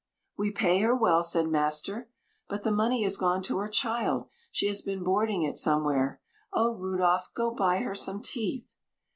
"We pay her well," said master. "But the money has gone to her child. She has been boarding it somewhere. Oh! Rudolph, go buy her some teeth."